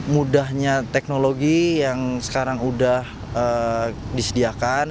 mudahnya teknologi yang sekarang sudah disediakan